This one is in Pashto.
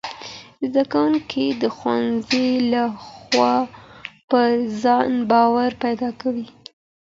زدهکوونکي د ښوونځي له خوا پر ځان باور پیدا کوي.